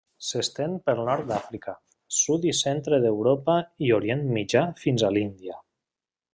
S'estén pel nord d'Àfrica, sud i centre d'Europa i Orient Mitjà fins a l'Índia.